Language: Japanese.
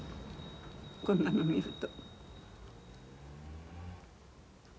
こんなの見ると。